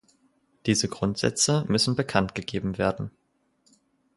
Diese Grundsätze müssen bekannt gegeben werden.